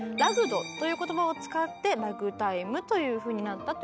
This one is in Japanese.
「Ｒａｇｇｅｄ」という言葉を使って「ラグタイム」というふうになったという説が。